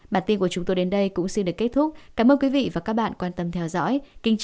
bản tin của chúng tôi đến đây cũng xin được kết thúc cảm ơn quý vị và các bạn quan tâm theo dõi kính chào và hẹn gặp lại